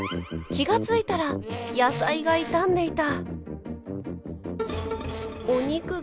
気が付いたら野菜が傷んでいた。